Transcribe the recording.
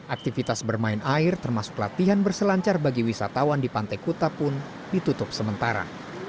aktivitas bermain air termasuk latihan berselancar bagi wisatawan di pantai kuta pun ditutup sementara